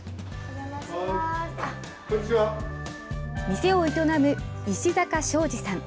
店を営む石坂昌司さん。